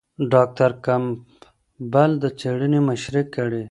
ډاکټر کمپبل د څېړنې مشري کړې.